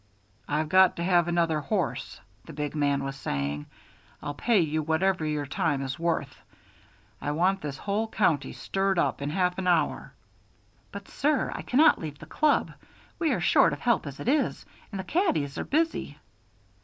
"I've got to have another horse," the big man was saying. "I'll pay you whatever your time is worth. I want this whole county stirred up in half an hour." "But, sir, I cannot leave the club. We are short of help as it is, and the caddies are busy."